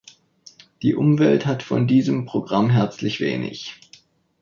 Die Umwelt hat von diesem Programm herzlich wenig.